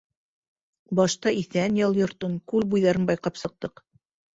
Башта Иҫән ял йортон, күл буйҙарын байҡап сыҡтыҡ.